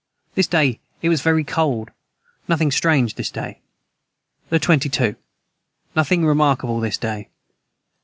This day it was very cold nothing strange this day. the 22. Nothing remarkable this day.